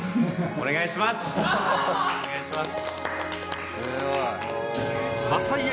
お願いします！